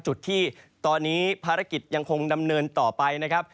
จุดที่ตอนนี้ภารกิจยังคงดำเนินต่อไปนะครับ